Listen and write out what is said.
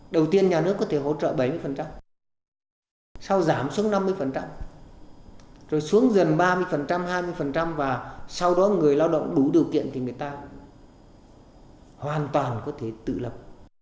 đầu tiên nhà nước có thể hỗ trợ bảy sau giảm xuống năm mươi rồi xuống gần ba mươi hai mươi và sau đó người lao động đủ điều kiện thì người ta hoàn toàn có thể tự lập